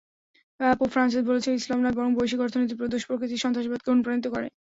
Pope Francis বলেছেন, ইসলাম নয়, বরং বৈশ্বিক অর্থনীতির দুষ্প্রকৃতিই সন্ত্রাসবাদকে অনুপ্রাণিত করে।